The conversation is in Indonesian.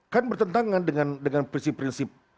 kan bertentangan dengan prinsip prinsip